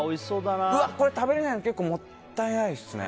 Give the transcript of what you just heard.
食べれないの結構もったいないですね。